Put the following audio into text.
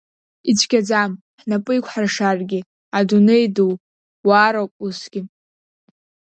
Ицәгьаӡам, ҳнапы еикәҳаршаргьы, адунеи ду, уаароуп усгьы.